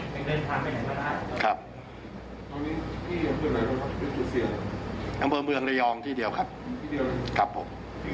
ตอนนี้ที่อำเภอไหนครับครับอำเภอเมืองระยองที่เดียวครับครับผม